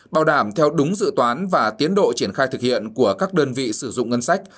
bảo đảm theo đúng dự toán và tiến độ triển khai thực hiện của các đơn vị sử dụng ngân sách